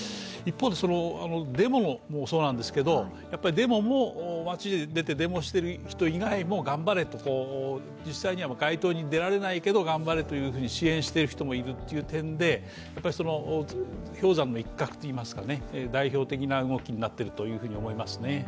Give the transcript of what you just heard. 一方で、デモもそうなんですけど街に出てデモをしている人も頑張れと、実際には街頭に出られないけれども、頑張れというふうに支援している人もいるという点で、氷山の一角といいますか代表的な動きになっていると思います。